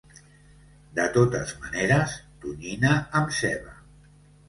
De totes maneres, tonyina amb ceba.